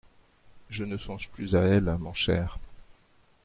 Je ne songe plus à elle, mon cher.